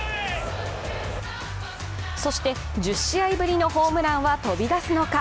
そして１０試合ぶりのホームランは飛び出すのか。